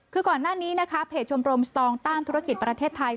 คือก่อนหน้านี้นะคะเพจชมรมสตองต้านธุรกิจประเทศไทย